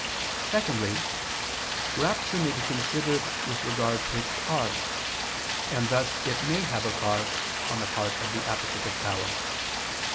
Secondly, rapture may be considered with regard to its cause, and thus it may have a cause on the part of the appetitive power.